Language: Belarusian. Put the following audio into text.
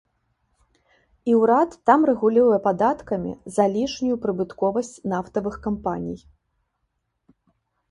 І ўрад там рэгулюе падаткамі залішнюю прыбытковасць нафтавых кампаній.